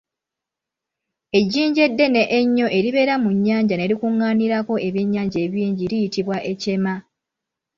Ejjinja eddene ennyo eribeera mu nnyanja ne likuŋaanirako ebyennyanja ebingi liyitibwa ekyema.